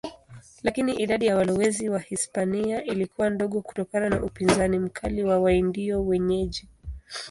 Lakini idadi ya walowezi Wahispania ilikuwa ndogo kutokana na upinzani mkali wa Waindio wenyeji.